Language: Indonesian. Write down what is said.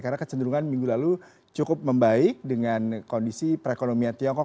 karena kecenderungan minggu lalu cukup membaik dengan kondisi perekonomian tiongkok